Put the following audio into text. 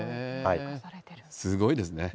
すごいですね。